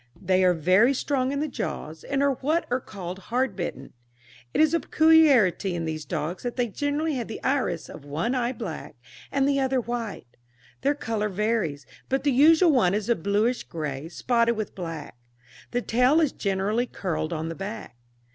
They are very strong in the jaws, and are what are called hard bitten. It is a peculiarity in these dogs that they generally have the iris of one eye black and the other white. Their colour varies, but the usual one is a bluish grey, spotted with black. The tail is generally curled on the back.